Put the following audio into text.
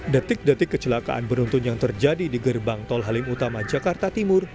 detik detik kecelakaan beruntun yang terjadi di gerbang tol halim utama jakarta timur